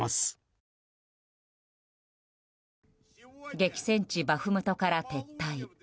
激戦地バフムトから撤退。